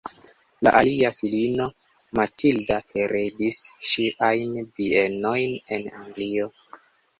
La alia filino, Matilda, heredis ŝiajn bienojn en Anglio.